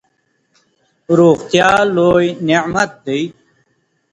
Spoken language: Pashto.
روغتیا لوی نعمت دئ.